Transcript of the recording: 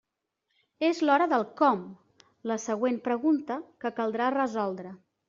És l'hora del «com», la següent pregunta que caldrà resoldre.